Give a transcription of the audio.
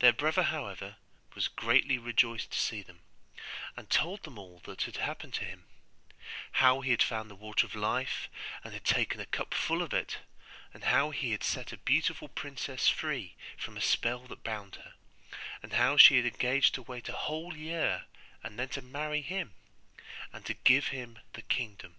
Their brother, however, was greatly rejoiced to see them, and told them all that had happened to him; how he had found the Water of Life, and had taken a cup full of it; and how he had set a beautiful princess free from a spell that bound her; and how she had engaged to wait a whole year, and then to marry him, and to give him the kingdom.